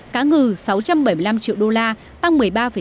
cá ngừ sáu trăm bảy mươi năm triệu đô la tăng một mươi ba sáu